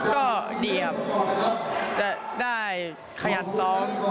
ก็ดีครับจะได้ขยันซ้อม